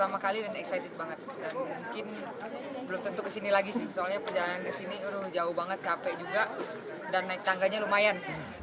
dan mungkin belum tentu kesini lagi sih soalnya perjalanan kesini jauh banget capek juga dan naik tangganya lumayan